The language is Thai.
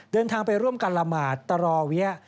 เดินทางไปร่วมกันละหมาดตรอเวี้ย